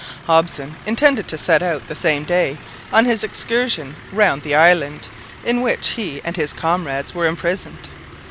Hobson intended to set out the same day on his excursion round the island in which he and his comrades were imprisoned.